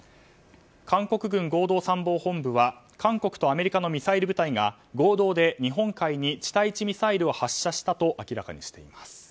韓国軍合同参謀本部は韓国とアメリカのミサイル部隊が合同で日本海に地対地ミサイルを発射したと明らかにしています。